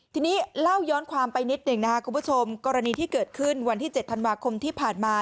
ทีนี้เล่าย้อนความไปนิดหนึ่งนะครับคุณผู้ชมกรณีที่เกิดขึ้นวันที่๗ธันวาคมที่ผ่านมา